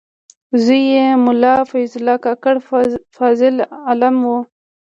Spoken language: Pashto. زوی یې ملا فیض الله کاکړ فاضل عالم و.